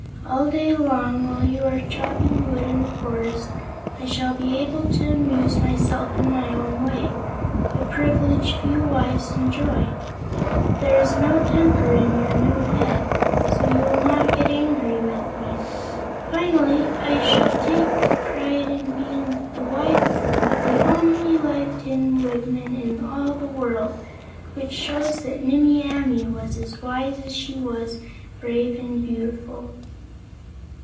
All day long, while you are chopping wood in the forest, I shall be able to amuse myself in my own way a privilege few wives enjoy. There is no temper in your new head, so you will not get angry with me. Finally, I shall take pride in being the wife of the only live Tin Woodman in all the world!' Which shows that Nimmie Amee was as wise as she was brave and beautiful."